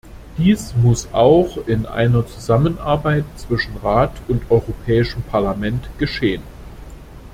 Dies muss auch in einer Zusammenarbeit zwischen Rat und Europäischem Parlament geschehen!